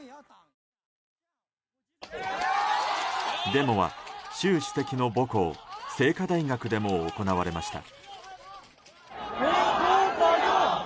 デモは習主席の母校清華大学でも行われました。